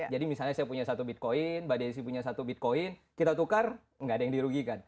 jadi misalnya saya punya satu bitcoin mbak desi punya satu bitcoin kita tukar tidak ada yang dirugikan